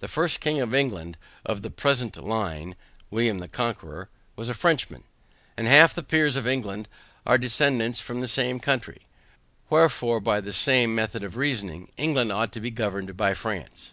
The first king of England, of the present line (William the Conqueror) was a Frenchman, and half the Peers of England are descendants from the same country; wherefore, by the same method of reasoning, England ought to be governed by France.